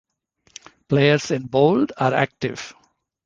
Players in bold are active.